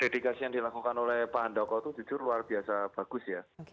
dedikasi yang dilakukan oleh pak handoko itu jujur luar biasa bagus ya